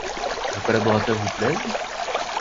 Vos collaborateurs vous plaisent ?